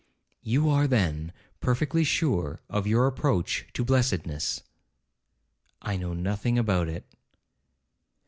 'You are, then, perfectly sure of your approach to blessedness?' 'I know nothing about it.'